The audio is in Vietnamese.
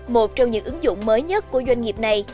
một trong những ứng dụng mới nhất của doanh nghiệp này